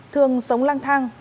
thường sống lang thang